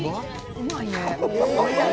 うまいね。